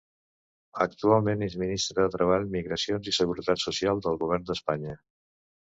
Actualment és ministra de Treball, Migracions i Seguretat Social del Govern d'Espanya.